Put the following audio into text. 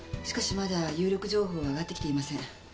しかしまだ有力情報は上がってきていません。